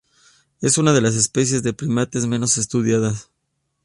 Es una de las especies de primates menos estudiadas.